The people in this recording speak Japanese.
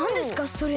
それ。